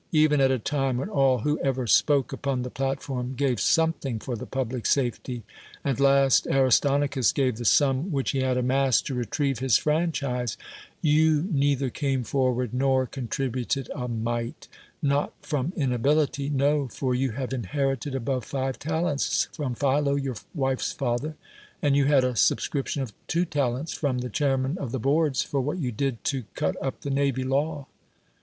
Even at a time when all v/ho ever spoke upon the platform gave something for the public safety, and last Aristonicus gave the sum which lu' hud amassed to retrieve his franchise, you 181 THE WORLD'S FAMOUS ORATIONS neither came forward nor contributed a mite — not from inability — no, for you have inherited above five talents from Philo, your wife's father, and you had a subscription of two talents from the chairmen of the boards for what you did to cut up the navy la^v.